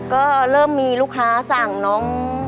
ก็เริ่มมีลูกค้าสั่งน้อง